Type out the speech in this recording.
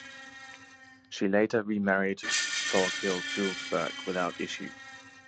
She later remarried Thorkild Juelsberg, without issue.